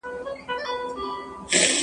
پایلې اخلي.